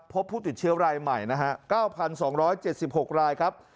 พบผู้ติดเชื้อรายใหม่นะฮะ๙๒๗๖รายครับ